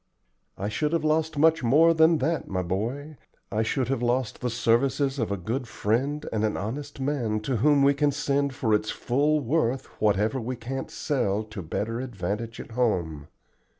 "I should have lost much more than that, my boy, I should have lost the services of a good friend and an honest man to whom we can send for its full worth whatever we can't sell to better advantage at home.